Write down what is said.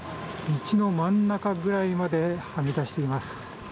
道の真ん中ぐらいまではみ出しています。